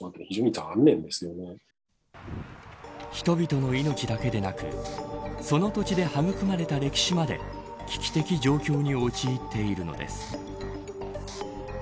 人々の命だけでなくその土地で育まれた歴史まで危機的状況に陥っているのです。